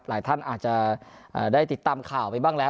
หลายท่านอาจจะได้ติดตามข่าวไปบ้างแล้ว